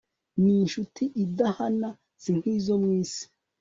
ninshuti idahana sinkizo mwisi